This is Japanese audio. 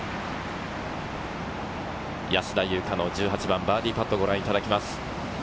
安田祐香の１８番、バーディーパットをご覧いただきます。